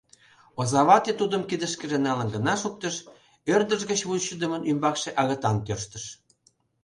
Озавате тудым кидышкыже налын гына шуктыш, ӧрдыж гыч вучыдымын ӱмбакше агытан тӧрштыш.